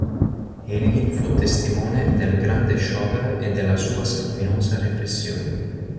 Egli fu testimone del grande sciopero e della sua sanguinosa repressione.